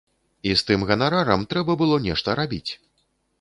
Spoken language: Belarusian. І з тым ганарарам трэба было нешта рабіць.